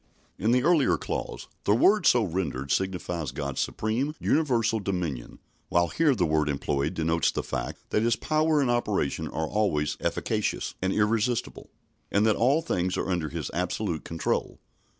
In the earlier clause, the word so rendered signifies God's supreme, universal dominion, while here the word employed denotes the fact that His power and operation are always efficacious and irresistible, and that all things are under His absolute control.